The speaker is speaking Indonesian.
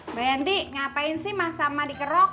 mbak yanti ngapain sih masa emak dikerok